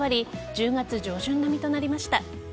１０月上旬並みとなりました。